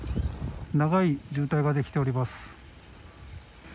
長い渋滞ができております。